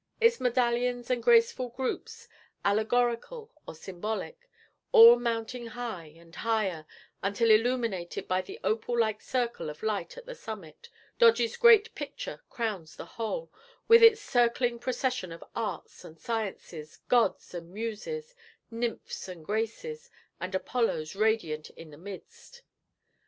Its medallions and graceful groups, allegorical or symbolic, all mounting high, and higher, until illuminated by the opal like circle of light at the summit, Dodge's great picture crowns the whole, with its circling procession of arts and sciences, gods and muses, nymphs and graces, and Apollos radiant in the midst.